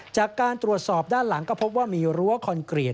จากการตรวจสอบด้านหลังก็พบว่ามีรั้วคอนกรีต